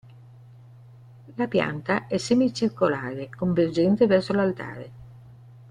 La pianta è semicircolare, convergente verso l'altare.